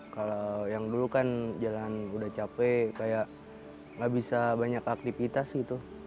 kalau yang dulu kan jalan udah capek kayak gak bisa banyak aktivitas gitu